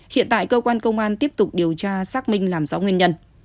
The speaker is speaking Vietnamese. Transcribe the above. hiện tại cơ quan công an tiếp tục điều tra xác minh làm rõ nguyên nhân